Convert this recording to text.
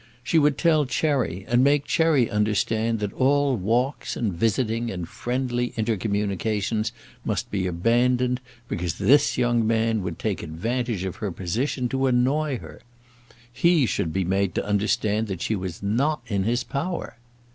She would tell Cherry, and make Cherry understand that all walks and visiting and friendly intercommunications must be abandoned because this young man would take advantage of her position to annoy her! He should be made to understand that she was not in his power!